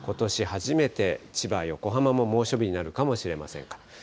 初めて千葉、横浜も猛暑日になるかもしれません。